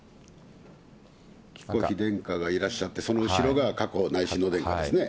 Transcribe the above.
紀子妃殿下がいらっしゃって、その後ろが佳子内親王殿下ですね。